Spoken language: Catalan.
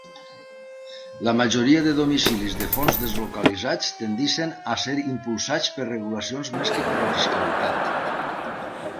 La majoria de domicilis de fons deslocalitzats tendeixen a ser impulsats per regulacions més que per la fiscalitat.